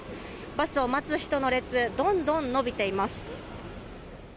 バスを待つ人の列どんどん延びています。